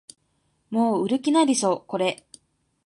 もう売る気ないでしょこれ